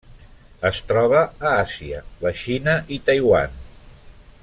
Es troba a Àsia: la Xina i Taiwan.